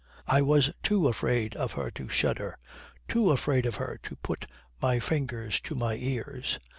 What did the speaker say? I was too afraid of her to shudder, too afraid of her to put my fingers to my ears.